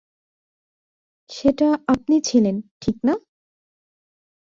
সেটা আপনি ছিলেন, ঠিক না?